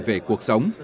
về cuộc sống